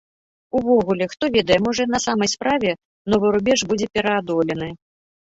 Увогуле, хто ведае, можа, і на самай справе новы рубеж будзе пераадолены.